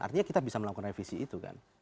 artinya kita bisa melakukan revisi itu kan